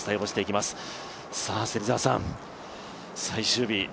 最終日